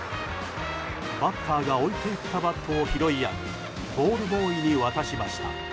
バッターが置いて行ったバットを拾い上げボールボーイに渡しました。